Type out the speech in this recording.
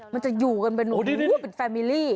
มันจะอยู่กันเป็นโอ้เป็นแฟมิลี่